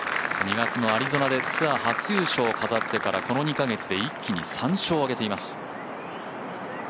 ２月のアリゾナで初優勝を飾ってからこの２カ月で一気に３勝を挙げています。